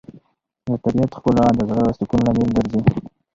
د طبیعت ښکلا د زړه سکون لامل ګرځي.